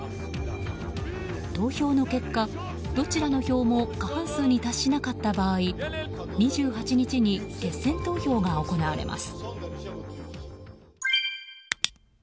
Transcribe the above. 投票の結果、どちらの票も過半数に達さなかった場合２８日に決選投票が行われます。